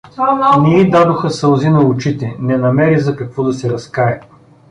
Не й додоха сълзи на очите, не намери за какво да се разкае.